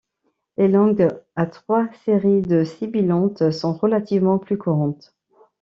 Les langues à trois séries de sibilantes sont relativement plus courantes.